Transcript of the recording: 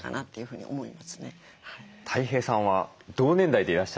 たい平さんは同年代でいらっしゃる。